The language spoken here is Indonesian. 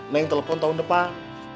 neng telepon tahun depan